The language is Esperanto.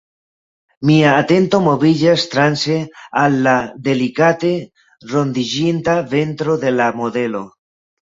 Mia atento moviĝas transe al la delikate rondiĝinta ventro de la modelo.